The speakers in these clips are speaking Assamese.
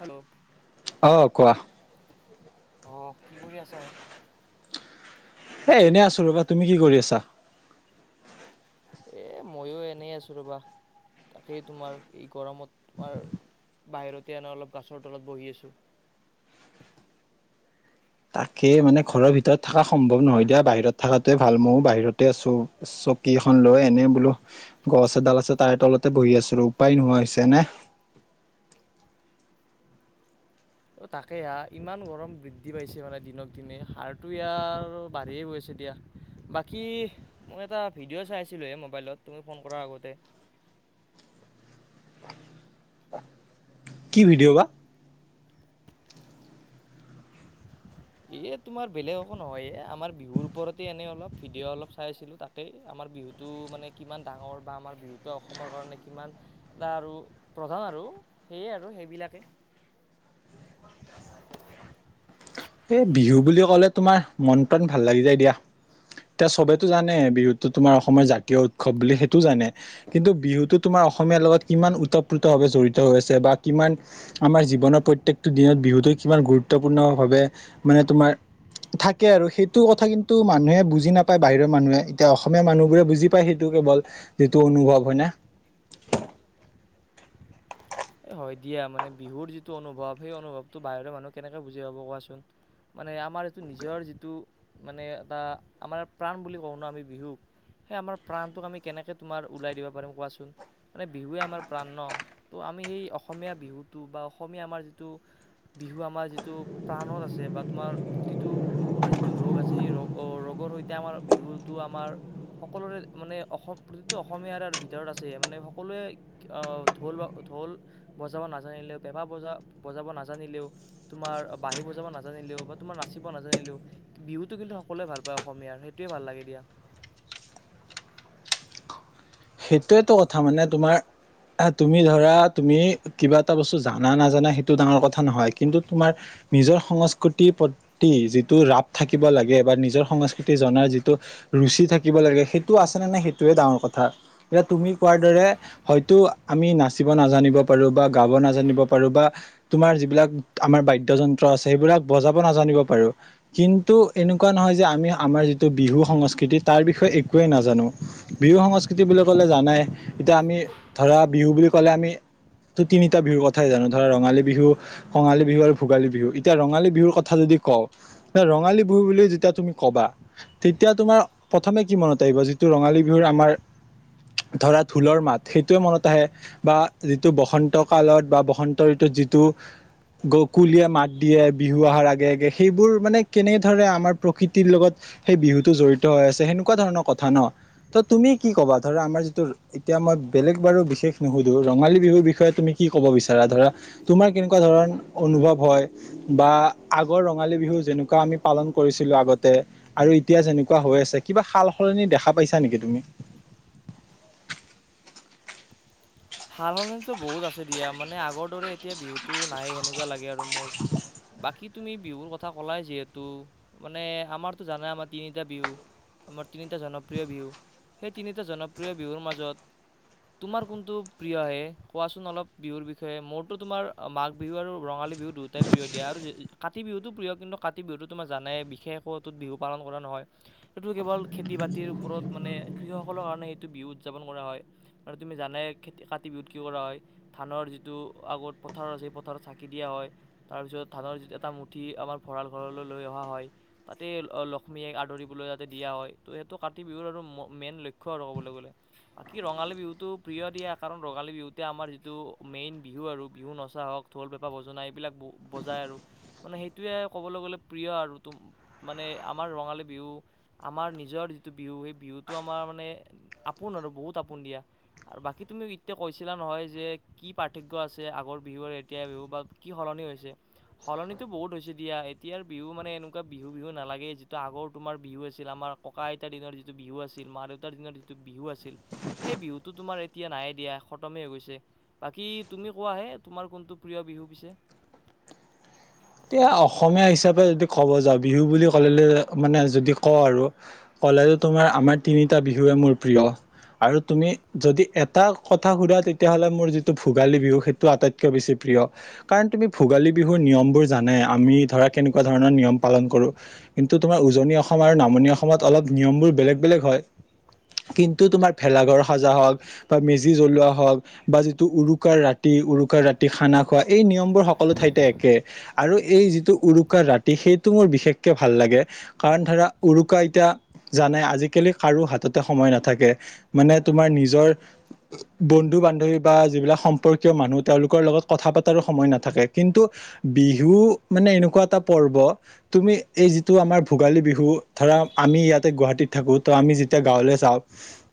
হেল্ল' অ কোৱা? অ কি কৰি আছা হে? এ এনে আছো ৰবা। তুমি কি কৰি আছা? এ মইও এনেই আছো ৰবা। তাকেই তোমাৰ এই গৰমত তোমাৰ বাহিৰতে আন অলপ গাছৰ তলত বহি আছো। [unintelligible] তাকে মানে ঘৰৰ ভিতৰত থাকা সম্ভৱ নহয়। দিয়া বাহিৰত থাকাতোৱে ভাল। মইয়ো বাহিৰতে আছো। চকী এখন লৈ এনেই বোলো গছ এডাল আছে তাৰে তলতে বহি আছিলো। উপায় নোহোৱা হৈছে এনে [unintelligible] অ তাকে আ ইমান গৰম বৃদ্ধি পাইছে মানে দিনক দিনে। সাৰটো ইয়াৰ বাঢ়িয়ে গৈছে। দিয়া। বাকী মই এটা ভিডিঅ' চাইছিলোহে মোবাইলত তুমি ফোন কৰাৰ আগতে। [unintelligible] কি ভিডিঅ' বা? এ তোমাৰ বেলেগ একো নহয় এ আমাৰ বিহুৰ ওপৰতে এনেই অলপ ভিডিঅ' অলপ চাই আছিলো। তাকেই আমাৰ আমাৰ বিহুটো, মানে কিমান ডাঙৰ বা আমাৰ বিহুতো অসমৰ কাৰণে কিমান এটা আৰু প্ৰধান আৰু। সেইয়ে আৰু সেইবিলাকে। [unintelligible] এই বিহু বুলি ক'লে তোমাৰ মন প্ৰাণ ভাল লাগি যায় দিয়া। এতিয়া সবেতো জানে বিহুতো তোমাৰ অসমৰ জাতীয় উৎসৱ বুলি সেইটোও জানে, কিন্তু বিহুতো তোমাৰ অসমীয়াৰ লগত কিমান ওতপ্ৰুতভাৱে জড়িত হৈ আছে বা কিমান আমাৰ জীৱনৰ প্ৰত্যেকটো দিনত বিহুত কিমান গুৰুত্বপূৰ্ণ ভাৱে মানে তোমাৰ থাকে আৰু সেইটো কথা কিন্তু মানুহে বুজি নাপায় বাহিৰৰ মানুহে এতিয়া অসমীয়া মানুহ বোৰে বুজি পায় সেইটো। কেৱল যিটো অনুভৱ হয় না এ হয় দিয়া মানে বিহুৰ যিটো অনুভৱ সেই অনুভৱটো বাহিৰৰ মানুহ কেনেকে বুজি পাব কোৱাচোন! মানে আমাৰ এইটো নিজৰ যিটো মানে এটা আমাৰ প্ৰাণ বুলি কওঁ ন আমি বিহুক সেই আমাৰ প্ৰাণটোক আমি কেনেকে তোমাৰ ওলাই দিব পাৰিম কোৱাচোন! মানে বিহুৱে আমাৰ প্ৰাণ ন ত' আমি সেই অসমীয়া বিহুটো বা অসমীয়া আমাৰ যিটো বিহু আমাৰ যিটো প্ৰাণত আছে বা তোমাৰ প্ৰতিটো আমাৰ যিটো ৰোগ আছে সেই ৰ ৰোগ সৈতে আমাৰ বিহুতো আমাৰ- সকলোৰে মানে অসম প্ৰতিটো অসমীয়াৰে ভিতৰত আছে মানে সকলোৱে আহ ঢোল বা ঢোল বজাব নাজানিলেও, পেঁপা বজা বজাব নাজানিলেও, তোমাৰ বাঁহী বজাব নাজানিলেও লেও বা তোমাৰ নাচিব নাজানিলেও, বিহুটো কিন্তু সকলোৱে ভাল পায় অসমীয়াৰ সেইটোয়ে ভাল লাগে দিয়া। [inaudible] সেইটোয়েটো কথা মানে তোমাৰ তুমি ধৰা তুমি কিবা এটা বস্তু জানা নাজানা সেইটো ডাঙৰ কথা নহয়। কিন্তু তোমাৰ নিজৰ সংস্কৃতিৰ প্ৰতি যিটো ৰাপ থাকিব লাগে বা নিজৰ সংস্কৃতি জনাৰ যিটো ৰুচি থাকিব লাগে সেইটো আছেনে নাই সেইটোৱে ডাঙৰ কথা। এতিয়া তুমি কোৱাৰ দৰে হয়তো আমি নাচিব নাজানিব পাৰো বা গাব নাজানিব পাৰো বা তোমাৰ যিবিলাক আমাৰ বাদ্য যন্ত্ৰ আছে সেইবিলাক বজাব নাজানিব পাৰো, কিন্তু এনেকুৱা কুৱা নহয় যে আমি আমাৰ যিটো বিহু সংস্কৃতি তাৰ বিষয়ে একোৱে নাজানো, বিহু সংস্কৃতি বুলি কলে জানাই এতিয়া আমি ধৰা বিহু বুলি ক'লে আমি ত তিনিটা বিহুৰ কথাই জানো ধৰা ৰঙালী বিহু, কঙালী বিহু আৰু ভোগালী বিহু। এতিয়া ৰঙালী বিহুৰ কথা যদি ক ৰঙালী বিহু বুলি যেতিয়া তুমি কবা, তেতিয়া তোমাৰ প্ৰথমে কি মনত আহিব যিটো ৰঙালী বিহুৰ আমাৰ ধৰা ঢোলৰ মাত সেইটোয়ে মনত আহে বা যিটো বসন্ত কালত বা বসন্ত ঋতুত যিটো [inaudible] গকুলীয়ে মাত দিয়ে বিহু অহাৰ আগে আগে সেইবোৰ মানে কেনে ধৰে আমাৰ প্ৰকৃতিৰ লগত সেই বিহুতটো জড়িত হৈ আছে সেনেকুৱা ধৰণৰ কথা ন। ত তুমি কি কবা ধৰা আমাৰ যিটো এতিয়া মই বেলেগ বাৰু বিশেষ নুসুধোঁ, ৰঙালী বিহুৰ বিষয়ে তুমি কি ক'ব বিচাৰা ধৰা তোমাৰ কেনেকুৱা ধৰণ অনুভৱ হয় বা আগৰ ৰঙালী বিহু যেনেকুৱা আমি পালন কৰ ছিলো আগতে আৰু এতিয়া যেনেকুৱা হৈ আছে কিবা সাল সলনি দেখা পাইছা নেকি তুমি? সাল সলনিটো বহুত আছে দিয়া মানে আগৰ দৰে এতিয়া বিহুতো নাই সেনেকুৱা লাগে আৰু। মোৰ। বাকি তুমি বিহুৰ কথা কলাই যিহেতু মানে আমাৰতো জানাই আমাৰ তিনিটা বিহু। আমাৰ তিনিটা জনপ্ৰিয় বিহু সেই তিনিটা জনপ্ৰিয় বিহুৰ মাজত, তোমাৰ কোনটো প্ৰিয় আহে কোৱাচোন অলপ বিহুৰ বিষয়ে মোৰতো তোমাৰ মাঘ বিহু আৰু ৰঙালী বিহু দুয়োটাই প্ৰিয় দিয়া আৰু কাতি বিহুটো প্ৰিয় কিন্তু কাতি বিহুতো তোমাৰ জানাই বিশেষত বিহু পালন কৰা নহয়। এইটো কেৱল খেতি বাতিৰ ওপৰত মানে কৃষকসকলৰ কাৰণে সেইটো বিহু উদযাপন কৰা হয়। আৰু তুমি জানাই কাতি বিহুত কি কৰা হয়, ধানৰ যিটো আগত পথাৰত আছে সেই পথাৰত চাকি দিয়া হয়, তাৰপিছত ধানৰ যি এটা মুঠি আমাৰ ভঁৰাল ঘৰলৈ লৈ অহা হয় তাতে লক্ষ্মীয়েক আদৰিবলৈ যাতে দিয়া, ত সেইটো কাতি বিহুৰ আৰু মেইন লক্ষ্য আৰু ক'বলৈ গ'লে। বাকী ৰঙালী বিহুতটো প্ৰিয় দিয়া কাৰণ ৰঙালী, বিহুতে আমাৰ যিটো মেইন বিহু আৰু বিহু নচা হওক ঢোল, পেপা, বজনা এইবিলাক ব বজাই। সেইটোৱে কবলৈ গলে প্ৰিয় আৰু মানে আমাৰ ৰঙালী বিহু আমাৰ আমাৰ নিজৰ যিটো বিহু সেই বিহুটো আমাৰ মানে আপোন আৰু বহুত আপোন দিয়া। আৰু বাকী তুমি- তেয়া কৈছিলা নহয় যে কি পাৰ্থক্য আছে আগৰ বিহু আৰু এতিয়া বিহু বা কি সলনি হৈছে। সলনিতো বহুত হৈছে দিয়া এতিয়াৰ বিহু মানে এনেকুৱা বিহু বিহু নালাগে যিটো আগৰ তোমাৰ বিহু আছিল আমাৰ- ককা আইতাৰ দিনৰ যিটো বিহু আছিল মা দেউতাৰ দিনৰ যিটো বিহু আছিল সেই বিহুটো তোমাৰ এতিয়া নাইয়ে। দিয়া খতমেই হৈ গৈছে। বাকী তুমি কোৱাহে তোমাৰ কোনটো প্ৰিয় বিহু পিছে- [inaudible] এতিয়া অসমীয়া হিচাপে যদি ক'ব যাওঁ বিহু বুলি ক'লে মানে যদি কওঁ আৰু- কলেজ তোমাৰ আমাৰ তিনিটা বিহুৱে মোৰ প্ৰিয়- আৰু তুমি যদি এটা কথা সুধা তেতিয়াহ'লে মোৰ যিটো ভোগালী বিহু সেইটো আটাইতকৈ বেছি প্ৰিয় প্ৰিয় কাৰণ তুমি ভোগালী বিহুৰ নিয়মবোৰ জানে আমি ধৰা কেনেকুৱা ধৰণৰ নিয়ম পালন কৰো কিন্তু তোমাৰ উজনি অসম আৰু নামনি অসমত অলপ- নিয়মবোৰ বেলেগ বেলেগ হয়। কিন্তু তোমাৰ ভেলাঘৰ সাজা হওঁক বা মেজি জ্বলোৱা হওঁক বা যিটো উৰুকাৰ ৰাতি- উৰুকা ৰাতি খানা খোৱা, এই পিছে নিয়মবোৰ সকলো ঠাইতে একে। আৰু এই যিটো উৰুকাৰ ৰাতি সেইটো মোৰ বিশেষকে ভাল লাগে, কাৰণ ধৰা উৰুকা এতিয়া জানে আজিকালি কাৰো হাততে সময় নাথাকে। মানে তোমাৰ নিজৰ বন্ধু বান্ধৱী বা যিবিলাক সম্পৰ্কীয় মানুহ তেওঁলোকৰ লগত কথা পতাৰো সময় নাথাকে। কিন্তু, বিহু মানে এনেকুৱা এটা পৰ্ব, তুমি এই যিটো আমাৰ ভোগালী বিহু ধৰা আমি ইয়া গুৱাহাটীত থাকো ত আমি যেতিয়া গাঁৱলে যাওঁ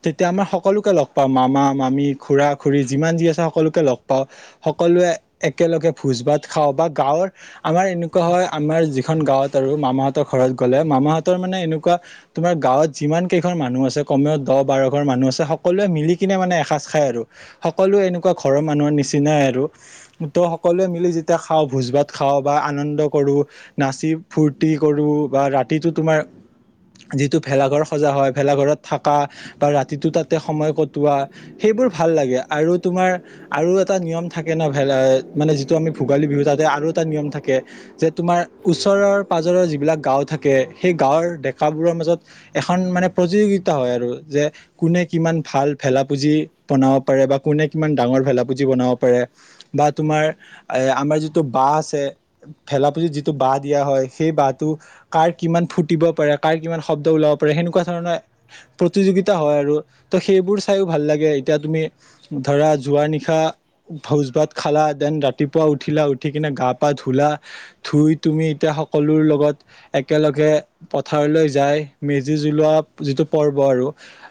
তেতিয়া আমাৰ সকলোকে লগ পাওঁ মামা, মামি, খুৰা খুৰি যিমান যি আছে সকলোকে লগ পাওঁ সকলোৱে একেলগে ভোজ ভাত খাওঁ। বা গাঁৱৰ আমাৰ এনেকুৱা হয় আমাৰ যিখন গাঁৱত আৰু মামাহতৰ ঘৰত গ'লে মামাহঁতৰ মানে এনেকুৱা তোমাৰ গাঁৱত যিমান কেইখন মানুহ আছে কমেও দহ বাৰ ঘৰ মানুহ আছে সকলোৱে মিলি কিনে মানে এসাজ খ সকলোৱে এনেকুৱা ঘৰৰ মানুহৰ নিচিনাই আৰু ত' সকলোৱে মিলি যেতিয়া খা ভোজ ভাত খাওঁ বা আনন্দ কৰোঁ নাচি ফূৰ্তি কৰোঁ বা ৰাতিটো তোমাৰ- যিটো ভেলাঘৰ সজা হয় ভেলাঘৰত থাকা বা ৰাতিটো তাতে সময় কটোৱা সেই- সবোৰ ভাল লাগে আৰু তোমাৰ আৰু এটা নিয়ম থাকে ন ভেল মানে যিটো আমি ভোগালী, বিহুতাত আৰু এটা নিয়ম থাকে যে তোমাৰ ওচৰৰ পাজৰৰ যিবিলাক গাঁও থাকে সেই গাঁৱৰ দো দেকাবোৰৰ মাজত এখন মানে প্ৰতিযোগিতা হয়। আৰু যে কোনে কিমান ভাল ভেলাপুজি- বনাব পাৰে বা কোনে কিমান ডাঙৰ ভেলাপুজি বনাব পাৰে বা তোমাৰ এ আমাৰ যি- যিটো বাহ আছে ভেলাপজি যিটো বাহ দিয়া হয় সেই বাহটো কাৰ কিমান ফুটিব পাৰে। কাৰ কিমান শব্দ ওলাব পাৰে সেনেকুৱা ধৰণৰ প্ৰতিযোগিতা হয় আৰু ত সেইবোৰ চাইও ভাল লাগে এতিয়া তুমি ধৰা যোৱা নিশা ভোজ ভাত খালা দেন ৰাতিপুৱা উঠিলা। উঠি কিনে গা পা ধোলা ধুই তুমি এতিয়া সকলো লগত একেলগে পথাৰ য মেজি জলোৱা যিটো পৰ্ব আৰু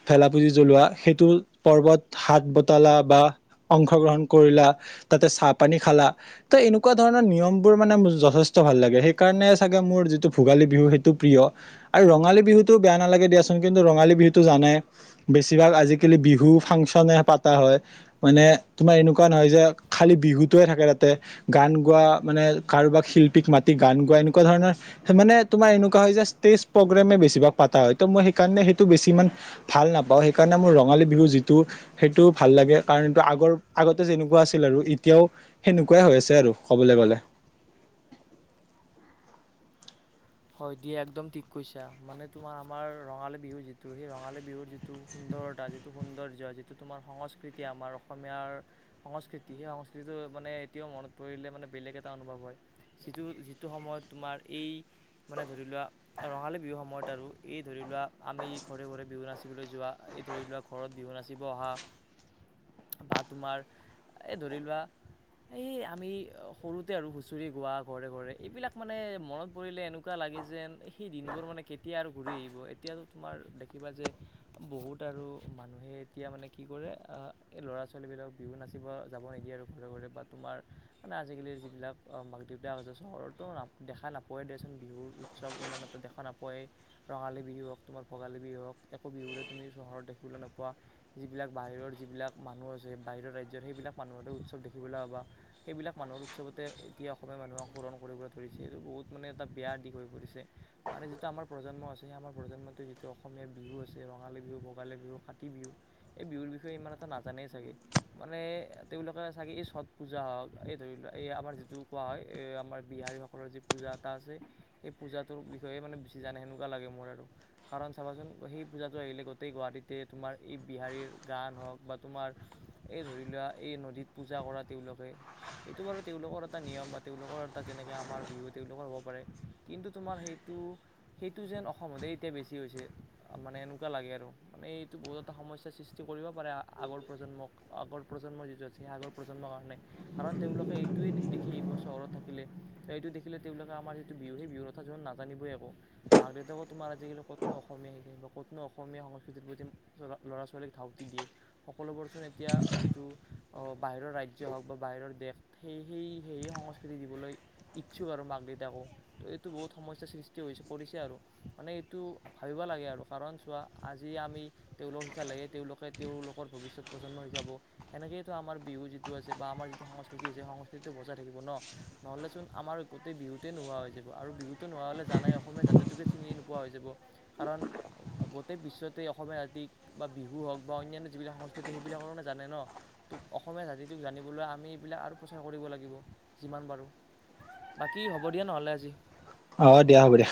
ভেলা পুজি জ্বলোৱা সেইটো পৰ্ব হাত বতালা বা অংশগ্ৰহণ কৰিলা, তাতে চাহ-পানী খালা ত' এনেকুৱা ধৰণৰ নিয়মবোৰ মানে যথেষ্ট ত ভাল লাগে, সেই কাৰণে চাগে মোৰ যিটো ভোগালী বিহু সেইটো প্ৰিয় আৰু ৰঙালী বিহুতটো বেয়া নালাগে দিয়াচোন কিন্তু ৰঙালী বিহুতো জানাই, বেছিভাগ আজিকালি বিহু ফাংচনে পাত তা হয়। মানে তোমাৰ এনেকুৱা নহয় যে খালি বিহুতোয়ে থাকে তাতে গান গোৱা মানে কাৰোবাক শিল্পীক মাতি গান গোৱা, এনেকুৱা ধৰণৰ মানে তোমাৰ এনেকুৱা হয় যে জ প্ৰগ্ৰেমে বেছিভাগ পাতা হয়। ত' মই সেইকাৰণে সেইটো বেছি ইমান ভাল নাপাওঁ, সেইকাৰণে মোৰ ৰঙালী বিহু যি টো সেইটো ভাল লাগে কাৰণটো আগৰ আগতে যেনেকুৱা আছিল আৰু ইতিয়াও সেনেকুৱাই হৈ আছে ছে আৰু কবলে গলে। হয় দিয়া একদম ঠিক কৈছা, মানে তোমাৰ আমাৰ ৰঙালী বিহু যিটো সেই ৰঙালী বিহুৰ যিটো দৰদা যিটো সৌন্দৰ্য, যিটো তোমাৰ সংস্কৃতি আমাৰ অসমীয়াৰ সংস্কৃতি, সেই সংস্কৃতিটো মানে এতিয়াও মনত পৰিলে মানে বেলেগ এটা অনুভৱ হয়। যিটো যিটো সময়ত তোমাৰ এই মানে ধৰি লোৱা, এ ৰঙালী বিহু সময়ত আৰু এই ধৰি লোৱা আমি ঘৰে-ঘৰে বিহু নাচিবলৈ যোৱা এই ধৰি লোৱা ঘৰত বিহু নাচিব অহা [unintelligible] বা তোমাৰ এই ধৰি লোৱা। এই আমি সৰুতে আৰু হুঁচৰি গোৱা ঘৰে ঘৰে এইবিলাক মানে মনত পৰিলে এনেকা এনেকুৱা লাগে যেন সেই দিনবোৰ মানে কেতিয়া আৰু ঘূৰি আহিব এতিয়া তোমাৰ দেখিবা যে আৰু মানুহে এতিয়া মানে কি কৰে এই ল'ৰা ছোৱালীবিলাক বিহু নাচিব যাব নিদিয়ে আৰু ঘৰে ঘৰে [unintelligible] আজালি যিবিলাক মাক দেউতাক আহ দেখা নোপোৱা দে চুন বিহুৰ উৎসৱ ইমান এটা দেখা নাপায়েই ৰঙালী বিহু হওক তোমাৰ ভোগালী বিহু হওক একো বিহুৰে তুমি ঘৰত দেখিবলৈ নোপোৱা যিবিলাক বাহিৰৰ যিবিলাক মানুহ আছে বাহিৰৰ ৰাজ্যত সেইবিলাক মানুহতে উৎসৱ দেখিব। ওলাবা সেইবিলাক মানুহৰ উৎসবতে এতিয়া অসমীয়া মানুহক পোৰণ কৰিবলৈ ধৰিছে আৰু বহুত মানে এটা বেয়া দিশ হৈ পৰিছে। মানে যিটো আমাৰ প্ৰজন্ম আছে সেই আমাৰ প্ৰজন্মটো যিটো অসমীয়া বিহু আছে, ৰঙালী বি বিহু ভোগালী বিহু, কাটি বিহু, এই বিহুৰ বিষয়ে ইমান এটা নাজানেই চাগে, মানে তেওঁলোকে চাগে এই ছট পূজা হওক, এই ধৰি লোৱা এই আমাৰ যিটো কোৱা হয় এই আমাৰ বিহাৰীসকলৰ যি পূজা এটা আছে এই পূজাটোৰ বিষয়ে মানে বেছি জানে সেনেকুৱা লাগে মোৰ আৰু, কাৰণ চাবাচোন সেই পূজাটো আহিলে গোটেই গুৱাহাটীতে তোমাৰ ই বিহাৰীৰ গান হওক বা তোমাৰ এই ধৰি লোৱা এই নদীত পূজা কৰা তেওঁলোকে এইটো বাৰু তেওঁলোকৰ এটা নিয়ম বা তেওঁলোকৰ এটা যেনেকে আমাৰ বিহু তেওঁলোকৰ হ'ব পাৰে। কিন্তু তোমাৰ সেইটো সেইটো যেন অসমতে এতিয়া বেছি হৈছে, মানে এনেকুৱা লাগে আৰু মানে এইটো বহুত এটা সমস্যাৰ সৃষ্টি কৰিব পাৰে আগৰ প্ৰজন্মক, আগৰ প্ৰজন্ম যিটো আছে সেই আগৰ প্ৰজন্মৰ কাৰণে, কাৰণ তেওঁলোকে এইটোৱে দেখি এই চহৰত থাকিলে, এইটো দেখিলে তেওঁলোকে আমাৰ বিহু সেই [inaudible] বিহুৰ কথা নাজানিবই একো মাক দেউতাকো তোমাৰ আজিকালি কতনো অসমীয়া শিকে বা কতনো অসমীয়া সংস্কৃতিৰ প্ৰতি ল'ৰা ছোৱালীক ধাউতি দিয়ে, সকলোবোৰচোন এতিয়া যিটো বাহিৰৰ ৰাজ্য হওক বা বাহিৰৰ দেশ সেই সেই সেই সংস্কৃতি দিবলৈ ইচ্ছুক আৰু মাক দেউতাকো। ত' এইটো বহুত সমস্যাৰ সৃষ্টি হৈছে কৰিছে আৰু মানে এইটো ভাবিব লাগে আৰু, কাৰণ চোৱা আজি আমি তেওঁলোকক শিকা লাগে তেওঁলোকে তেওঁলোকৰ ভৱিষ্যত প্ৰজন্ম শিকাব সেনেকেইটো আমাৰ বিহু যিটো আছে বা আমাৰ যিটো সংস্কৃতি আছে সংস্কৃতিটো বজাই থাকিব নহলেচোন আমাৰ গোটেই বিহুতেই নোহোৱা হৈ যা ব আৰু বিহুতো নোহোৱা হলে জানাই অসমীয়া জাতিটোকে চিনি নোপোৱা হৈ যাব, কাৰণ গোটেই বিশ্বতেই অসমীয়া জাতিক বা বিহু হওক বা অনান্য যিবিলাক সংস্কৃতি সেইবিলাকো নাজানে ন অসমীয়া জাতিটোক জানিবলৈ আমি এইবিলাক আৰু প্ৰচাৰ কৰিব লাগিব যিমান পাৰোঁ। বাকি হ'ব দিয়া নহ'লে আজি। অ দিয়া হ'ব দিয়া।